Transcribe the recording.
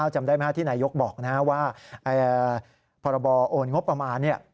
จำได้ไหมที่นายกบอกว่าพรบโอนงบประมาณ